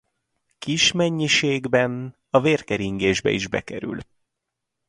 Kis mennyiségben a vérkeringésbe is bekerül.